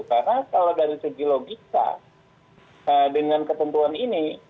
karena kalau dari segi logika dengan ketentuan ini